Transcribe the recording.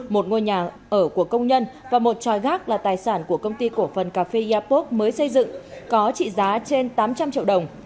một ngôi nhà ở của công nhân và một tròi gác là tài sản của công ty cổ phần cà phê eapop mới xây dựng có trị giá trên tám trăm linh triệu đồng